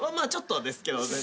ちょっとですけど。